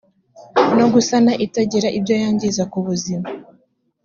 no gusana itagira ibyo yangiza ku buzima